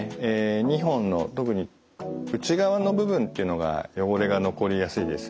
２本の特に内側の部分っていうのが汚れが残りやすいです。